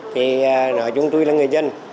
thì nói chung tôi là người dân